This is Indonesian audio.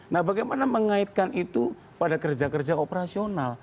nah bagaimana mengaitkan itu pada kerja kerja operasional